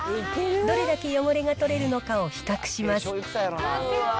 どれだけ汚れが取れるのかを比較します。